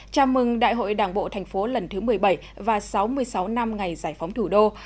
chào mừng đại hội đảng bộ thành phố lần thứ một mươi bảy và sáu mươi sáu năm ngày giải phóng thủ đô